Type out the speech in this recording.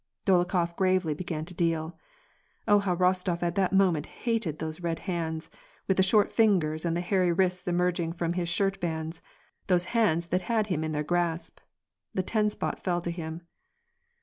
Dolokhof gravely began to deal. Oh, how Eostof at that moment hated those red hands, with the short fingers and the hairy wrists emerging from his shirt bands, those hands that had him in their grasp ! The ten spot fell to him.